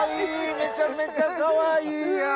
めちゃめちゃかわいいやん！